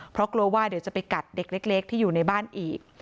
เพราะกลัวว่าเดี๋ยวจะไปกัดเด็กเล็กที่อยู่ในบ้านอีก